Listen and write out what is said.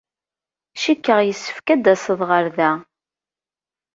Cikkeɣ yessefk ad d-taseḍ ɣer da.